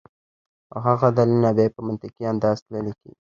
او هغه دليلونه بیا پۀ منطقي انداز تللے کيږي